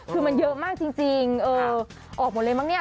คือมันเยอะมากจริงออกหมดเลยบ้างเนี่ย๐๙